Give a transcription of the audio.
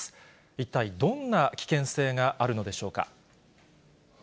一体どんな危険性があるのでしょうか。